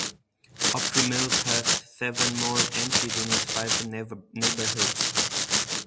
Opry Mills has seven mall entries in its five neighborhoods.